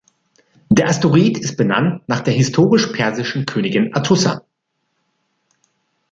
Der Asteroid ist benannt nach der historischen persischen Königin Atossa.